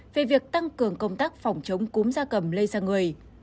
về việc tăng cường công tác phòng chống cúm da cầm lây sang người